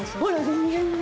全然。